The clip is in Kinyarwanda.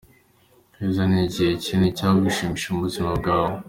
Keza ni ikihe kintu cyagushimishije mu buzima bwawe?.